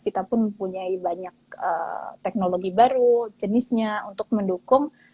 kita pun punya banyak teknologi baru jenisnya untuk mendukung